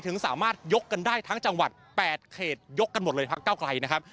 ถึงสามารถยกกันได้ทั้งจังหวัด๘เขตยกกันหมดเลยพักเก้าไกลนะครับ